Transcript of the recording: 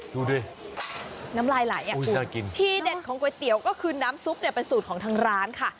ดูดิน้ำลายไหลอ่ะทีเด็ดของก๋วยเตี๋ยวก็คือน้ำซุปเนี่ยเป็นสูตรของทางร้านค่ะ